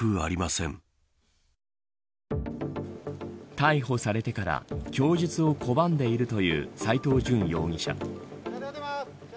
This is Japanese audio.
逮捕されてから供述を拒んでいるという斎藤淳容疑者。